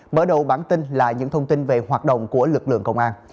mở đầu bản tin là những thông tin về hoạt động của lực lượng công an